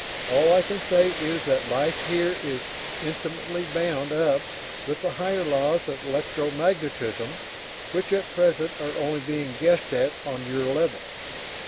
All I can say is that life here is intimately bound up with the higher laws of electro magnetism which at present are only being guessed at on your level.